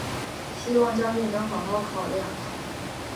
希望将军能好好考量！